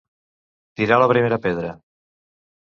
Tirar la primera pedra.